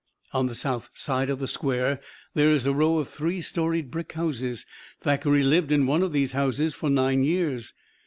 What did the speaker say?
On the south side of the Square there is a row of three storied brick houses. Thackeray lived in one of these houses for nine years.